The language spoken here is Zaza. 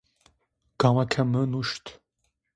Gama ke mi nuşt